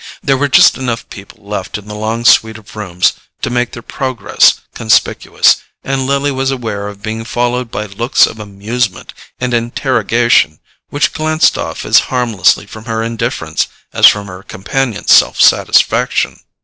There were just enough people left in the long suite of rooms to make their progress conspicuous, and Lily was aware of being followed by looks of amusement and interrogation, which glanced off as harmlessly from her indifference as from her companion's self satisfaction.